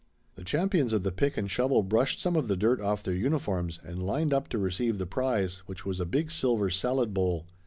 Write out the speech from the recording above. The champions of the pick and shovel brushed some of the dirt off their uniforms and lined up to receive the prize, which was a big silver salad bowl.